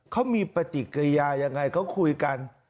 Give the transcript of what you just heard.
เขามีปฏิกิริยายังไงเขาคุยกัน